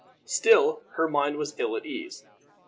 Still, her mind was ill at ease.